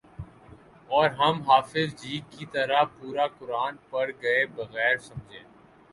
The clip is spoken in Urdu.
اور ہم حافظ جی کی طرح پورا قرآن پڑھ گئے بغیر سمجھے